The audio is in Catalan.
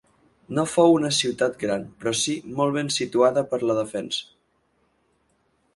No fou una ciutat gran però si molt ben situada per la defensa.